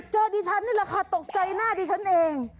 ดิฉันนี่แหละค่ะตกใจหน้าดิฉันเอง